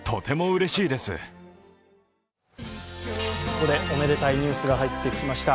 ここでおめでたいニュースが入ってきました。